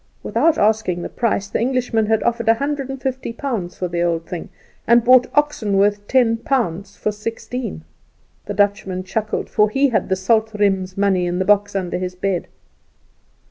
Without asking the price the Englishman had offered a hundred and fifty pounds for the old thing, and bought oxen worth ten pounds for sixteen. The Dutchman chuckled, for he had the Salt riem's money in the box under his bed.